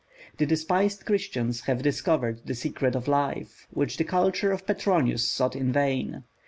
The despised Christians have discovered the secret of life, which the culture of Petronius sought in vain.